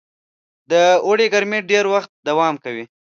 د اوړي ګرمۍ ډېر وخت دوام کوي.